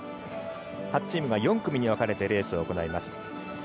８チームが４組に分かれてレースを行います。